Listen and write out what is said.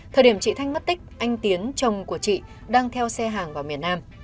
thời điểm chị thanh mất tích anh tiến chồng của chị đang theo xe hàng vào miền nam